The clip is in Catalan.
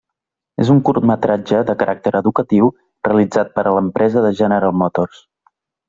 És un curtmetratge de caràcter educatiu, realitzat per a l'empresa General Motors.